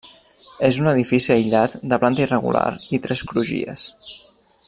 És un edifici aïllat de planta irregular i tres crugies.